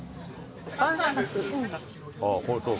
ああこれそう。